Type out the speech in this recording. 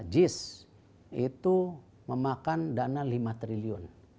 jis itu memakan dana lima triliun